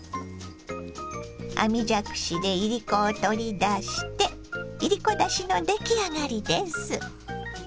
網じゃくしでいりこを取り出していりこだしの出来上がりです。